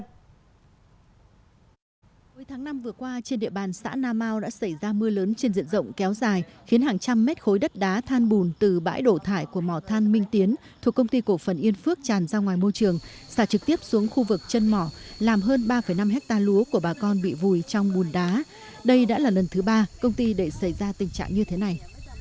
hồi tháng năm vừa qua trên địa bàn xã na mau đã xảy ra mưa lớn trên diện rộng kéo dài khiến hàng trăm mét khối đất đá than bùn từ bãi đồ thải của mỏ than bình tiến thuộc công ty cổ phần yên phước tràn ra ngoài môi trường xả trực tiếp xuống khu vực chân mỏ làm hơn ba năm hectare lúa của bà con bị vùi trong bùn đá đây đã là lần thứ ba công ty đẩy xảy ra tình trạng như thế này